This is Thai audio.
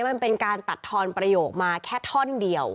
มันเป็นการตัดทอนประโยคมาแค่ท่อนเดียว